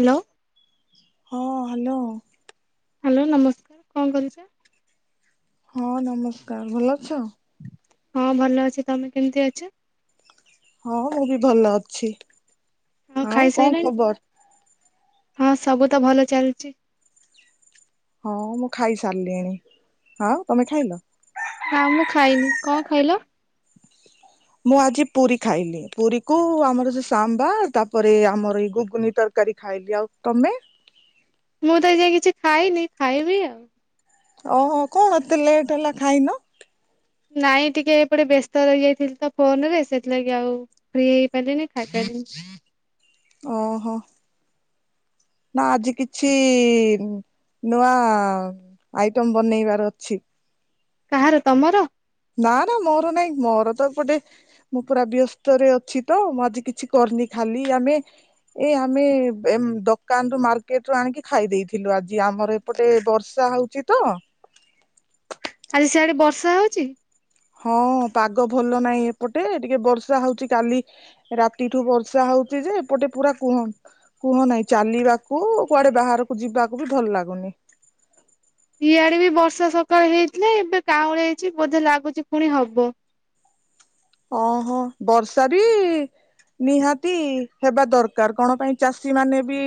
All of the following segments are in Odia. ହ୍ୟାଲୋ। ହଁ ହ୍ୟାଲୋ। ହ୍ୟାଲୋ ନମସ୍କାର କଣ କରୁଛ? ହଁ ନମସ୍କାର। ଭଲ ଅଛ? ହଁ ଭଲ ଅଛି ତମେ କେମିତି ଅଛ? ହଁ ମୁଁ ବି ଭଲ ଅଛି ହଁ ଆଉ କଣ ଖାଇସାଇଲଣି? ଖବର? ହଁ ସବୁ ତ ଭଲ ଚାଲିଚି। ହଉ ମୁଁ ଖାଇସାରିଲିଣି ଆଉ ତମେ ଖାଇଲ? ନାଁ ମୁଁ ଖାଇନି କଣ ଖାଇଲ? ମୁଁ ଆଜି ପୁରୀ ଖାଇଲି ପୁରୀ କୁ ଆମର ସେ ସାମ୍ବା ତାପରେ ଆମର ଏଇ ଗୁଗୁନି ତର କାରି ଖାଇଲି ଆଉ ତମେ? ମୁଁ ତ ଏ ଯାଏ କିଛି ଖାଇନି ଖାଇବି ଆଉ। ଓହୋ କଣ ଏତେ ଲେଟ୍ ହେଲା ଖାଇନ? ନାଇଁ ଟିକେ ଏପଟେ ବ୍ୟସ୍ତ ରହି ଯାଇଥିଲି ତ ଫୋନ ରେ ସେଥିଲାଗି ଆଉ ଫ୍ରି ହେଇପାରିଲିନି ଖାଇପାରି ହଁ ଓ ହୋ ନା ଆଜି କିଛି ନୂଆ ଆଇଟମ୍ ବନେଇବାର ଅଛି। କାହାର ତମର? ନା ନା ମୋର ନାଇଁ ମୋର ତ ଏପଟେ ମୁଁ ପୁରା ବ୍ୟସ୍ତରେ ଅଛି ତ ମୁଁ ଆଜି କିଛି କରିନି। ଖାଲି ଆମେ ଏ ଆମେ ଦୋକାନ ରୁ ମାର୍କେଟ ରୁ ଆଣିକି ଖାଇ ଦେଇଥିଲୁ ଆଜି। ଆମର ଏପଟେ ବର୍ଷା ହଉଛି ତ। ଆଜି ସିଆଡେ ବର୍ଷା ହଉଚି? ହଁ ପାଗ ଭଲ ନାହିଁ ଏପଟେ ଟିକେ ବର୍ଷା ହଉଚି କାଲି ରାତିଠୁ ବର୍ଷା ହଉ ହଉଚି ଯେ ଏପଟେ ପୁରା କୁହ କୁହନାହିଁ ଚାଲିବାକୁ କୁଆଡ଼େ ବାହାରକୁ ଯିବାକୁ ବି ଭଲ ଲାଗୁନି। ଇଆଡ଼େ ବି ବର୍ଷା ସକାଳେ ହେଇଥିଲେ ଏବେ କାଉଁଲେଇଚି ବୋଧେ ଲାଗୁଛି ପୁଣି ହବ। ଓହୋ ବର୍ଷା ବି ନିହାତି ହେବା ଦରକାର କଣ ପାଇଁ ଚାଷୀ ମାନେ ବି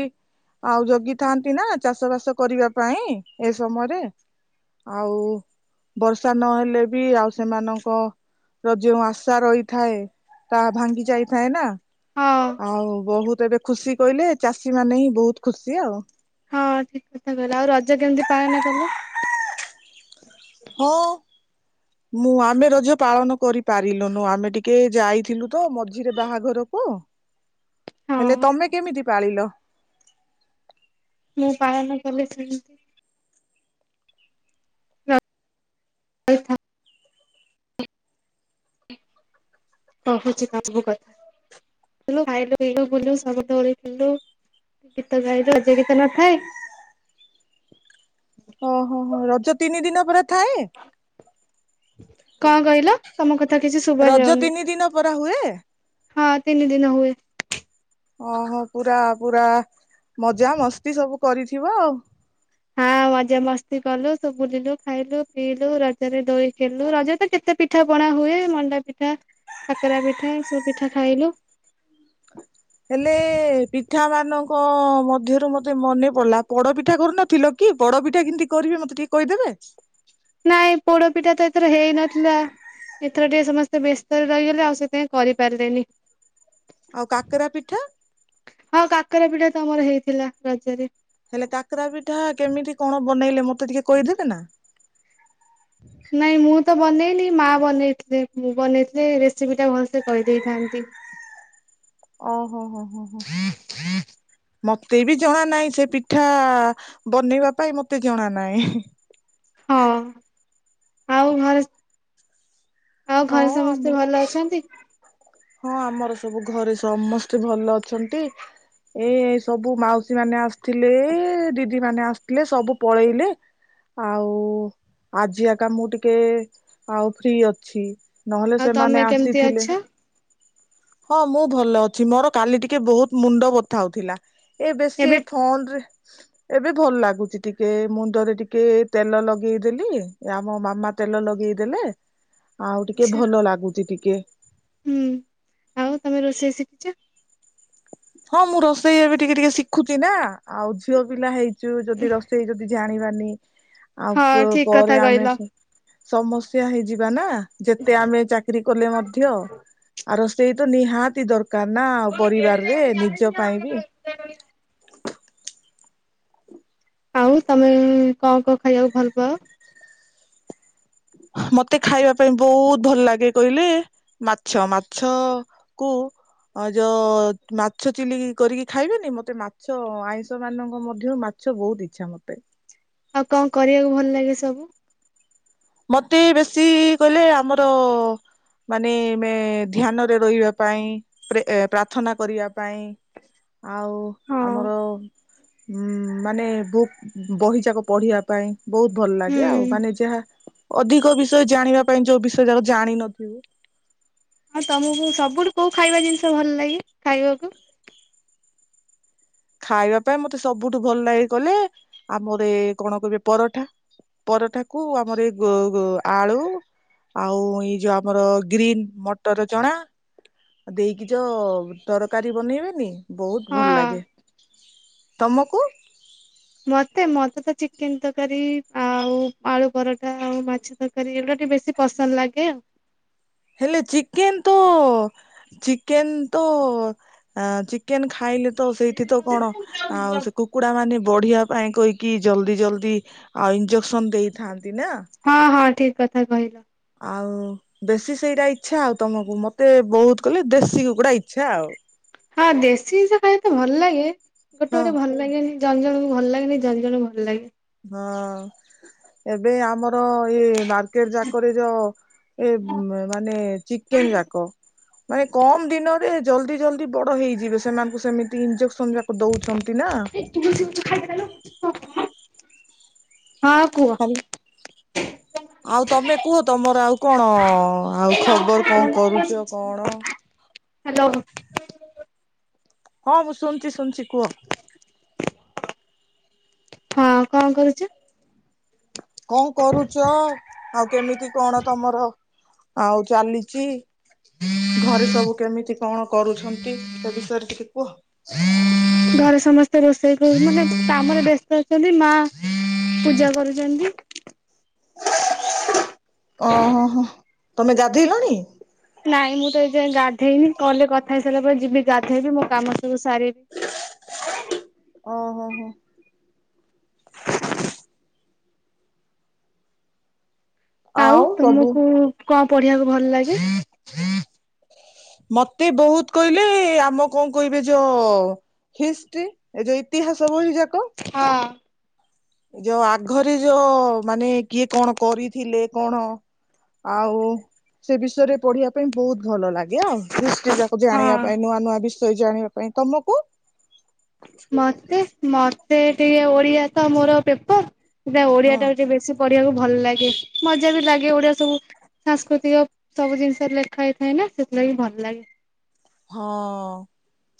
ଆଉ ଜଗିଥାନ୍ତି ନା ଚାଷ ବାସ କରିବା ପାଇଁ ଏ ସମୟରେ। ଆଉ ବର୍ଷା ନହେଲେ ବି ଆଉ ସେମାନଙ୍କର ଯେଉଁ ଆସ ଆଶା ରହିଥାଏ ତାହା ଭାଙ୍ଗି ଯାଇଥାଏ ନା ହଁ ଆଉ ବହୁତ୍ ଏବେ ଖୁସି କହିଲେ ଚାଷୀ ମାନେ ହିଁ ବହୁତ ଖୁସି ଆଉ। ହଁ ଠିକ୍ କଥା କହିଲ ଆଉ ରଜ କେମିତି ପାଳନ କଲ? ହଁ। ମୁଁ ଆମେ ରଜ ପାଳନ କରିପାରିଲୁନୁ ଆମେ ଟିକେ ଯାଇଥିଲୁ ତ ମଝିରେ ବାହାଘରକୁ ହଁ ହେଲେ ତମେ କେମିତି ପାଳିଲ? ମୁଁ ପାଳନ କଲି ସେମି [unintelligible] କହୁଛି ସବୁ କଥା ଖାଇଲୁ, ପିଇଲୁ, ବୁଲିଲୁ ସବୁ [unintelligible] ଗୀତ ଗାଇଲୁ ରଜ ଗୀତ ନଥାଏ? ଓହୋ ହୋ ରଜ ତିନି ଦିନ ପରା ଥାଏ? କଣ କହିଲ ତମ କଥା କିଛି ଶୁଭା ରଜ ଯାଉନି? ତିନି ଦିନ ପରା ହୁଏ ହଁ ତିନି ଦିନ ହୁଏ। ଓହୋ ପୁରା ପୁରା ମଜା ମସ୍ତି ସବୁ କରିଥିବ ଆଉ। ହଁ। ମଜା ମସ୍ତି କଲୁ, ସବୁ ବୁଲିଲୁ, ଖାଇଲୁ, ପିଇଲୁ ରଜରେ ଦୋଳି ଖେଳିଲୁ ରଜ ତ କେତେ ପିଠା ପଣା ହୁଏ ମଣ୍ଡା ପିଠା, କାକରା ପିଠା, ସବୁ ପିଠା ଖାଇଲୁ। ହେଲେ ପିଠା ମାନଙ୍କ ମଧ୍ୟରୁ ମତେ ମନେ ପଡ଼ିଲା ପୋଡ଼ପିଠା କରିନଥିଲ କି ପୋଡ଼ପିଠା କେମିତି କରିବେ ମତେ ଟିକେ କହିଦେବେ? ନାଇଁ ପୋଡ଼ପିଠା ତ ଏଥର ହେଇ ନଥିଲା। ଏଥର ଟିକେ ସମସ୍ତେ ବ୍ୟସ୍ତ ରହିଗଲେ ଆଉ ସେଥିପାଇଁ କରିପାରିଲେନି। ଆଉ କାକରା ପିଠା? କାକାରା ପିଠା ତ ଆମର ହେଇଥିଲା ରଜରେ। ହେଲେ କାକରା ପିଠା କେମିତି କଣ ବନେଇଲେ ମତେ ଟିକେ କହିଦେବେ ନା। ନାଇଁ ମୁଁ ତ ବନେଇନି, ମା ବନେଇଥିଲେ, ମୁଁ ବନେଇଥିଲେ ରେସିପି ଟା ଭଲସେ କହିଦେଇଥାନ୍ତି। ଓହୋ ହୋ ହୋ। ମତେ ବି ଜଣା ନାହିଁ ସେ ପିଠା ବନେଇବା ପାଇଁ ମତେ ଜଣା ନାହିଁ। ହଁ ଆଉ ଘରେ ଆଉ ହଁ ଘରେ ଆମ ସମସ୍ତେ ଭଲ ଅଛନ୍ତି? ହଁ, ଆମର ସବୁ ଘରେ ସମସ୍ତେ ଭଲ ଅଛନ୍ତି। ଏସବୁ ମାଉସୀ ମାନେ ଆସିଥିଲେ ଦିଦି ମାନେ ଆସିଥିଲେ ସବୁ ପଳେଇଲେ। ଆଉ ଆଜି ଆକା ମୁଁ ଟିକେ ଆଉ ଫ୍ରି ଅଛି। ନହେଲେ ଆଉ ସେମାନେ ତମେ କେମିତି ଅଛ ଆସିଥିଲେ ହଁ, ମୁଁ ଭଲ ଅଛି ମୋର କାଲି ଟିକେ ବହୁତ ମୁଣ୍ଡ ବଥା ହଉଥିଲା। ଏ ବେଶୀ ଏବେ ଏ ଫୋନ ରେ। ଏବେ ଭଲ ଲାଗୁଛି ଟିକେ ମୁଣ୍ଡରେ ଟିକେ ତେଲ ଲଗେଇଦେଲି ଆମ ମାମା ତେଲ ଲ ଲଗେଇଦେଲେ ଆଉ ଟିକେ ଆଛା ଭଲ ଲାଗୁଚି ଟିକେ। ହୁଁ ଆଉ ତମେ ରୋଷେଇ ଶିଖିଛ? ହଁ ମୁଁ ରୋଷେଇ ଏ ବି ଟିକେ ଟିକେ ଶିଖୁଚି ନା। ଆଉ ଝିଅ ପିଲା ହେଇଛୁ, ଯଦି ରୋଷେଇ ଯଦି ଜାଣିବାନି ହଁ ଠିକ କଥା ଆଉପ-ପରେ ଆମେ କହିଲ। ସେ ସମସ୍ୟା ହେଇଯିବା ନା। ଯେତେ ଆମେ ଚାକିରୀ କଲେ ମଧ୍ୟ ଆର ସେଇ ତ ନିହାତି ଦରକାର ନା ଆଉ ପରିବାରରେ ନିଜ ପାଇଁ ବି। ଆଉ ତମେ କଣ କଣ ଖାଇବାକୁ ଭଲ ପାଅ? ମତେ ଖାଇବା ପାଇଁ ବହୁତ ଭଲ ଲାଗେ କହିଲେ ମାଛ ମାଛ କୁ ଅ ଯୋଉ ମାଛ ଚିଲି କରିକି ଖାଇବେନି ମତେ ମାଛ ଆଇଁଷ ମାନଙ୍କ ମଧ୍ୟରୁ ମାଛ ମାଛ ବହୁତ ଇଚ୍ଛା ମତେ। ଆଉ କଣ କରିବାକୁ ଭଲ ଲାଗେ ସବୁ? ମତେ ବେଶୀ କହିଲେ ଆମର ମାନେ ମେ -ଧ୍ୟାନରେ ରହିବା ପାଇଁ, ପ୍ରେ -ଏ ପ୍ରାର୍ଥନା କରିବା ପାଇଁ, ଆଉ ହଁ ଆମର ଉଁ ମାନେ ବୁକ୍ ବହିଯାକ ପଢିବା ପାଇଁ, ବହୁତ ଭଲ ଲାଗେ ଆଉ। ହୁଁ ମାନେ ଯାହା ଅଧିକ ବିଷୟ ଜାଣିବା ପାଇଁ ଯୋଉ ବିଷୟ ଯାକ ଜାଣିନଥିବ। ହଁ ତମକୁ ସବୁଠୁ କୋଉ ଖାଇବା ଜିନିଷ ଭଲ ଲାଗେ ଖାଇବାକୁ? ଖାଇବା ପାଇଁ ମତେ ସବୁଠୁ ଭଲ ଲାଗେ କଲେ ଆମର ଏ କଣ କହିବେ ପରଠା। ପରଠାକୁ ଆମର ଏଇ ଗୋ ଗୋ ଆଳୁ ଆଉ ଏଇ ଯୋଉ ଆମର ଗ୍ରୀନ ମଟର ଚଣା। ଆଉ ଦେଇକି ଯୋ ତରକାରୀ ବନେଇବେନି ବହୁତ ଭଲ ହଁ ଲାଗେ। ତୁମକୁ? ମତେ ମତେ ତ ଚିକେନ ତରକାରୀ, ଆଉ ଆଳୁ ପରଠା, ଆଉ ମାଛ ତରକାରୀ ଏ ଗୁଡ଼ା ବେଶୀ ପସନ୍ଦ ଲାଗେ ଆଉ। ହେଲେ ଚିକେନ ତ ଚିକେନ ତ ଚିକେନ ଖାଇଲେ ତ ସେଇଠି ତ କଣ ଆଉ ସେ କୁକୁଡା ମାନେ ବଢିବା ପାଇଁ କହିକି ଜଲ୍ଦି ଜଲଦି ଆଉ ଇଞ୍ଜେକ୍ସନ ଦେଇଥାନ୍ତି। ନା ହଁ ହଁ ଠିକ କଥା କହିଲ। ଆଉ ବେଶୀ ସେଇଟା ଇଛା ଆଉ ତମକୁ। ମତେ ବହୁତ କଲେ ଦେଶୀ କୁକୁଡା ଇଛା ଆଉ। ହଁ ଦେଶୀ ଜିନିଷ ଖାଇବା ତ ଭଲ ଲାଗେ ଗୋଟେ ହଁ ଗୋଟେ ଭଲ ଲାଗେନି ଜନଜଣକୁ। ଭଲ ଲାଗେନି ଜନଜଣ ଙ୍କୁ ଭଲ ଲାଗେ। ହଁ ଏବେ ଆମର ଇଏ ମାର୍କେଟ ଯାକରେ ଯ ଏ ମାନେ ଚିକେନ ଯାକ ମାନେ କମ ଦିନରେ ଜଲଦି ଜଲଦି ବଡ ହେଇଯିବେ ସେମାନଙ୍କୁ ସେମିତି ଇଜେ ସନ୍ଦ୍ୟ ତ ଦଉଛନ୍ତି ନା। ହଁ କୁହ। କାଲି। [inaudible] ଆଉ ତମେ କୁହ ତମର ଆଉ କଣ ଆଉ ଖବର କଣ କରୁଛ କଣ। ହାଲୋ। ହଁ ମୁଁ ଶୁଣୁଛି ଶୁଣୁଛି କୁହ। ହଁ କଣ କରୁଛ। କଣ କରୁଛ ଆଉ କେମିତି କଣ ତମର ଆଉ ଚାଲିଛି। ଘରେ ସବୁ କେମିତି କଣ କରୁଛନ୍ତି ସେ ବିଷୟରେ ଟିକେ କୁହ। ଘରେ ସମସ୍ତେ ରୋଷେଇ ମାନେ କାମରେ ବ୍ୟସ୍ତ ଅଛନ୍ତି ମା ପୂଜା କରୁଛନ୍ତି। ଓହୋ ହୋ ତମେ ଗାଧୋଇଲଣି? ନାଇଁ ମୁଁ ତ ଏ ଯାଏ ଗାଧେଇନି କଲ ରେ କଥା ହେଇସାରିଲା ପରେ ଯିବି। ଗାଥେଇବି ମୋ କାମ ସବୁ ସାରିବି ଓହୋ ହୋ ଆଉ ତମକୁ କଁ ପଢିବାକୁ ଭଲ ଲାଗେ? ମତେ ବହୁତ କହିଲେ ଆମ କଣ କହିବେ ଯୋ ହିଷ୍ଟ୍ରି ଏ ଯୋଉ ଇତିହାସ ବହି ଯାକ। ହଁ। ଯୋଉ ଆଘରେ ଯୋଉମାନେ କିଏ କଣ କରିଥିଲେ କଣ। ଆଉ ସେ ବିଷୟରେ ପଢିବା ପାଇଁ ବହୁତ ଭଲ ଲାଗେ ଆଉ। ଯାକୁ ଜାଣିବା ହଁ ପାଇଁ ନୂଆ ନୂଆ ବିଷୟ ଜାଣିବା ପାଇଁ ତମକୁ? ମତେ ମତେ ଟିକେ ଓଡିଆ ତ ମୋର ପେପର ହଁ ଓଡିଆଟା ଟିକେ ବେଶୀ ପସ ପଢିବାକୁ ଭଲ ଲାଗେ ମଜା ବି ଲାଗେ ଓଡିଆ ସବୁ ସାଂସ୍କୃତିକ ସବୁ ଜିନିଷରେ ଲେଖା ହେଇଥାଏ ନା। ସେଥିଲାଗି ଭଲ ଲାଗେ। ହଁ।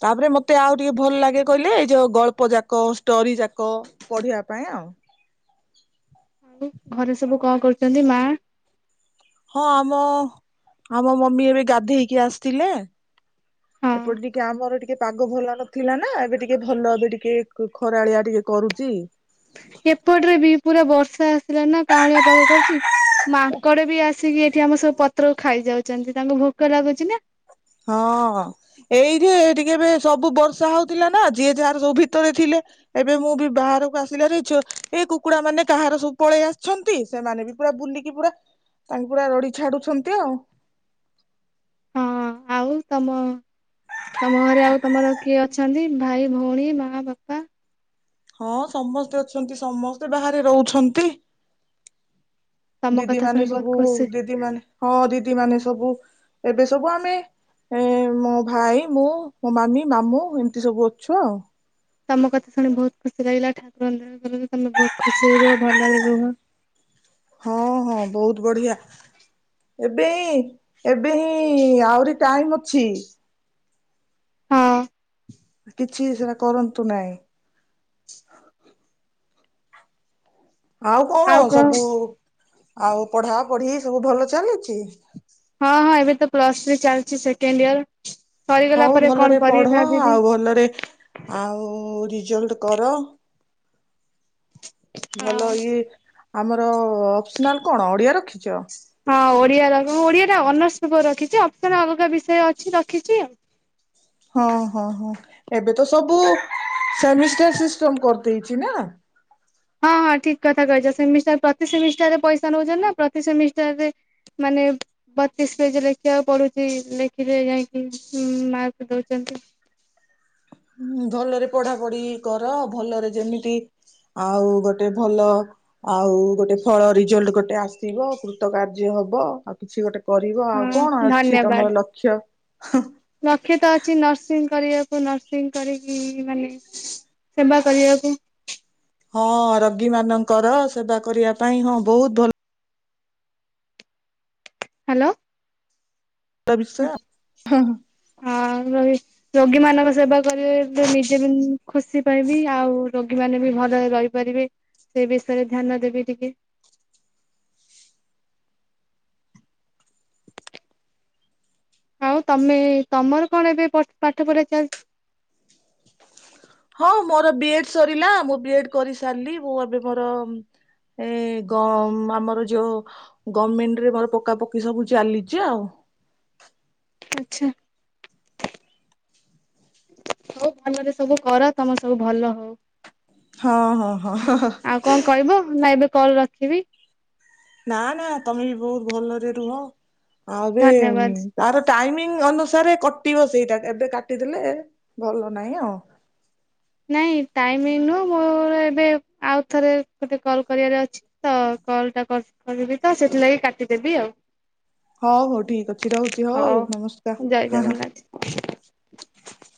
ତାପରେ ମତେ ଆଉ ଟିକେ ଭଲ ଲାଗେ କହିଲେ ଏଇ ଯୋଉ ଗଳ୍ପ ଯାକ ଷ୍ଟୋରି ଯାକ ପଢିବା ପାଇଁ ଆଉ। ହଁ। ଘରେ ସବୁ କଣ କରୁଛନ୍ତି ମା ହଁ ଆମ ଆମ ମମି ଏବେ ଗାଧେଇକି ଆସିଥିଲେ। ହଁ ଏପଟେ ଟିକେ ଆମର ଟିକେ ପାଗ ଭଲ ନଥିଲା ନା ଏବେ ଟିକେ ଭଲ ଏବେ ଟିକେ ଖରାଳିଆ ଟିକେ କରୁଛି। ଏପଟରେ ବି ପୁରା ବର୍ଷା ଆସିଲା ନା କାଉଁଳିଆ ପାଗ କରିଛି। ମାଙ୍କଡ ବି ଆସିକି ଏଠି ଆମ ସବୁ ପତ୍ରକୁ ଖାଇଯାଉଛନ୍ତି ତାଙ୍କୁ ଭୋକ ଲାଗୁଛି ନା। ହଁ ଏଇଠେ ଟିକେ ଏବେ ସବୁ ବର୍ଷା ହଉଥିଲା ନା ଯିଏ ଯାହାର ସବୁ ଭିତରେ ଥିଲେ। ଏବେ ମୁଁ ବି ବିହାରକୁ ଆସିଲାରୁ ଛୁ ଏ କୁକୁଡା ମାନେ କାହାର ସବୁ ପଳେଇ ଆସିଛନ୍ତି ସେମାନେ ବି ପୁରା ବୁଲିକି ପୁରା ତାଙ୍କୁ ପୁରା ରଡି ଛାଡୁଛନ୍ତି ଆଉ। ହଁ ଆଉ ତମ ତମ ଘରେ ଆଉ ତମର କିଏ ଅଛନ୍ତି ଭାଇ ଭଉଣୀ ମା ବାପା। ହଁ ସମସ୍ତେ ଅଛନ୍ତି ସମସ୍ତେ ବାହାରେ ରହୁଛନ୍ତି। ତମ କଥା ଶୁଣି ଦିଦିମାନେ ବହୁତ ସବୁ ଖୁସି ଦିଦିମାନେ ହଁ ଦିଦିମାନେ ସବୁ। ଏବେ ସବୁ ଆମେ ଏ ମୋ ଭାଇ ମୁଁ ମୋ ମାମି ମାମୁଁ ଏମିତି ସବୁ ଅଛୁ ଆଉ। ତମ କଥା ଶୁଣି ବହୁତ ଖୁସି ଲାଗିଲା ଠାକୁର କରନ୍ତୁ ତମେ ବହୁତ ଖୁସିରେ ରୁହ ଭଲରେ ରୁହ। [inaudible] ହଁ ହଁ ବହୁତ ବଢିଆ। ଏବେ ଏବେ ହିଁ ଆହୁରି ଟାଇମ ଅଛି। ହଁ କିଛି ସେଟା କରନ୍ତୁ ନାହିଁ। ଆଉ କଣ ସବୁ ଆଉ ପଢା ପଢି ସବୁ ଭଲ ଚାଲିଛି। ହଁ ହଁ ଏବେ ତ ପ୍ଲସ ଥ୍ରୀ ଚାଲିଛି ସେକେଣ୍ଡ ଇୟର। ସରିଗଲା ହଉ ପରେ କଣ ଭଲରେ କରିବି ପଢ ଭାବିବି। ଆଉ ଭଲରେ ଆଉ ଜଲ୍ଟ କର। ଭଲ ଇଏ ଆମର ଅପ୍ସନାଲ କଣ ଓଡିଆ ରଖିଛ? ହଁ ଓଡିଆର ମୁଁ ଓଡିଆଟା ଅନର୍ସ ପେପର୍ ରଖିଛି ଅପ୍ସନାଲ୍ ଅଲଗା ବିଷୟ ଅଛି ରଖିଛି ଆଉ। ହଁ ହଁ ହଁ ଏବେ ତ ସବୁ ସେମିଷ୍ଟାର ସିଷ୍ଟମ କରିଦେଇଛି ନା। ହଁ ହଁ ଠିକ କଥା କହିଛ ସେମିଷ୍ଟାର ପ୍ରତି ସେମିଷ୍ଟାରରେ ପଇସା ନେଉଛନ୍ତି ନା ପ୍ରତି ସେମିଷ୍ଟାରରେ ମାନେ ବତିଶ ପେଜ ଲେଖିବାକୁ ପଡୁଛି ଲେଖିଲେ ଯାଇକି ମ୍- ମାର୍କ ଦଉଛନ୍ତି। [inaudible] ହୁଁ ଭଲରେ ପଢାପଢି କର ଭଲରେ ଯେମିତି ଆଉ ଗୋଟେ ଭଲ ଆଉ ଗୋଟେ ଫଳ ରେଜଲ୍ଟ ଗୋଟେ ଆସିବ କୃତ କାର୍ଯ୍ୟ ହବ ଆଉ କିଛି ଗୋଟେ କରିବ ଆଉ ହଁ କଣ ଅଛି ତମର ଲକ୍ଷ୍ୟ? ଲକ୍ଷ ତ ଅଛି ନର୍ସିଂ କରିବାକୁ ନର୍ସିଂ କରିକି ମାନେ ସେବା କରିବାକୁ। ହଁ ରୋଗୀ ମଙ୍କର ସେବା କରିବା ପାଇଁ ହଁ ବହୁତ୍ ଭଲ। ହାଲୋ ଭଲ ବିଷୟ ହ ଭ [unintelligible] ରୋଗୀ ମାନଙ୍କ ସେବା କରିବ ନିଜେ ବି ଖୁସି ପାଇବି ଆଉ ରୋଗୀ ମାନେ ବି ଭଲରେ ରହିପାରିବେ ସେ ବିଷୟରେ ଧ୍ୟାନ ଦେବି ଟିକେ ଆଉ ତମେ ତମର କଣ ଏବେ ପାଠ ପଢ଼ା ଚାଲିଛି? ହଁ ମୋର ବି ଏଡ ସରିଲା ମୁଁ ବି ଏଡ କରି ସାରିଲି ମୁ ଏବେ ମୋର ଏ ଗ ଆମର ଯୋଉ ଗଭଣମେଣ୍ଟରେ ମର ପକା ପକି ସବୁ ଚାଲିଛି ଆଉ ଆଚ୍ଛା ହଉ ଭଲରେ ସବୁ କର ତମେ ସବୁ ଭଲ ହଉ? ହଁ ହଁ ହଁ ଆଉ କଣ କହିବ ନା ଏବେ କଲ୍ ରଖିବି? ନା ନା ତମେ ବି ବହୁତ ଭଲରେ ରୁହ। ଆ ଧନ୍ୟବାଦ। ତାର ଟାଇମିଂ ଅନୁସାରେ କାଟିବ ସେଇଟା ଏବେ କାଟିଦେଲେ ଭଲ ନାହିଁ ଆଉ ନାଇ ଟାଇମ ନୁହଁ ମୋ ଏବେ ଆଉ ଥରେ କଲ୍ କରିଆରର ତଅଛିତ କଲ୍ ଟା କରିବି ତ ସେଥିଲାଗି କାଟିଦେବି ଆଉ? ହଉ ହଉ ଠିକ ଅଛି ରହୁଛି ହଉ ନମସ୍କାର ଜୟ ହଁ ଜଗନ୍ନାଥ। ହଁ